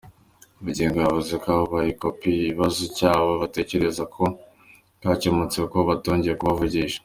Bugingo yavuze ko ababahaye kopi ikibazo cyabo batekereza ko cyakemutse kuko batongeye kubavugisha.